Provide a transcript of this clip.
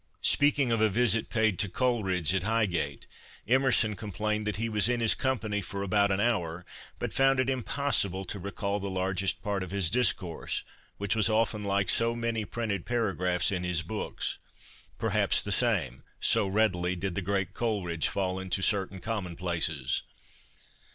Speaking of a visit paid to Coleridge at Highgate, Emerson complained 52 CONFESSIONS OF A BOOK LOVER that he was in his company for about an hour, but found it impossible to recall the largest part of his discourse, which was often like so many printed paragraphs in his books — perhaps the same — so readily did the great Coleridge fall into certain commonplaces.